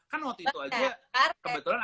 kan waktu itu aja kebetulan